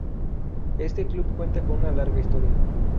Este club cuenta con una larga historia.